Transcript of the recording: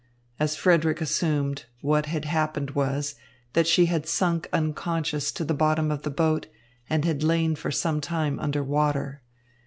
As Frederick assumed, what had happened was, that she had sunk unconscious to the bottom of the boat and had lain for some time under water.